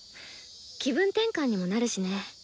気分転換にもなるしね。